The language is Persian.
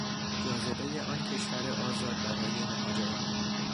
جاذبهی آن کشور آزاد برای مهاجران